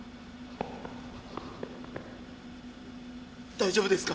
大丈夫ですか？